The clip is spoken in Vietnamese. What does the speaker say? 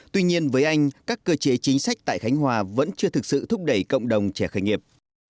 tuy nhiên với anh các cơ chế chính sách tại khánh hòa vẫn chưa thực sự thúc đẩy cộng đồng trẻ khởi nghiệp